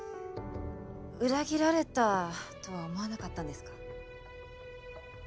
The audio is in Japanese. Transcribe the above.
裏切られたとは思わなかったんですか？